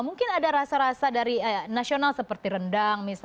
mungkin ada rasa rasa dari nasional seperti rendang